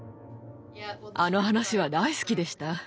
あの話は大好きでした。